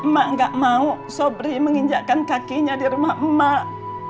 mak gak mau sobri menginjakkan kakinya di rumah mak